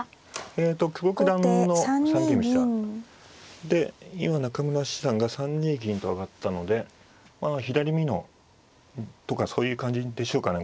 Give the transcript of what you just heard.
えと久保九段の三間飛車で今中村七段が３二銀と上がったので左美濃とかそういう感じでしょうかね